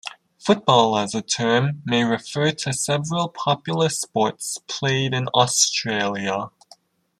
Football, as a term, may refer to several popular sports played in Australia.